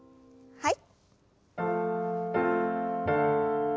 はい。